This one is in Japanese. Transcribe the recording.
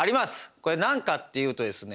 これ何かっていうとですね